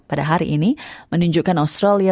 pada hari ini menunjukkan australia